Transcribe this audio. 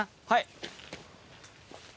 はい。